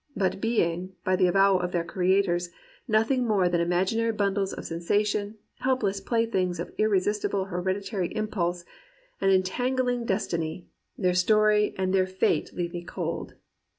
But being, by the avowal of their creators, nothing more than imag inary bundles of sensation, helpless playthings of irresistible hereditary impulse and entangling des tiny, their story and their fate leave me cold.